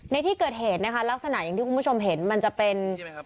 ในที่เกิดเหตุนะคะลักษณะอย่างที่คุณผู้ชมเห็นมันจะเป็น